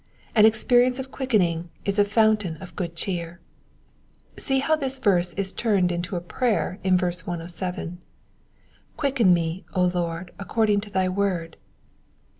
An experience of quickening is a fountain of good cheer. See how this verse is turned into a prayer in verse 107. " Quicken me, O Lord, according imto thy word."